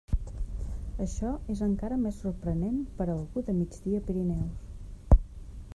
Això és encara més sorprenent per a algú de Migdia-Pirineus.